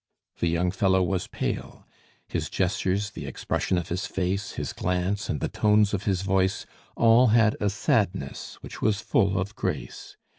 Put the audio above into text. The young fellow was pale; his gestures, the expression of his face, his glance, and the tones of his voice, all had a sadness which was full of grace.